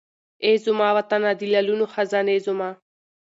اې زما وطنه د لالونو خزانې زما